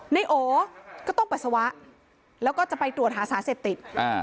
ในโอก็ต้องปัสสาวะแล้วก็จะไปตรวจหาสารเสพติด